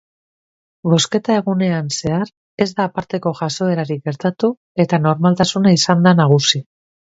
Bozketa-egunean zehar ez da aparteko jazoerarik gertatu, eta normaltasuna izan da nagusi.